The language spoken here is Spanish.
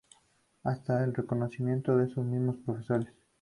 Hasta el reconocimiento de esos mismos profesores.